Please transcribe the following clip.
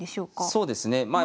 そうですねまあ